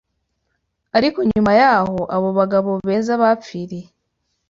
Ariko nyuma y’aho abo bagabo beza bapfiriye